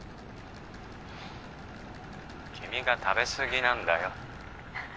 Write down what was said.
君が食べすぎなんだよ